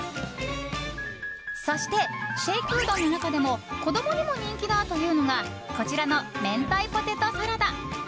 そして、シェイクうどんの中でも子供にも人気だというのがこちらの明太ポテトサラダ。